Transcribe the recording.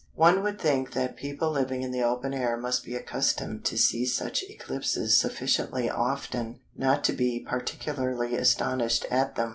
One would think that people living in the open air must be accustomed to see such eclipses sufficiently often not to be particularly astonished at them.